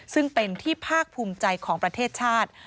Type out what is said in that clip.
ซึ่งเป็นที่ภาคภูมิใจของประเทศชาติ